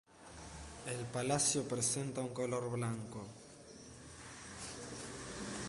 El paladio presenta un color blanco.